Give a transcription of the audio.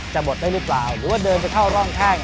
บดได้หรือเปล่าหรือว่าเดินไปเข้าร่องแข้ง